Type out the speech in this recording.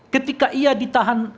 ketika ia ditahan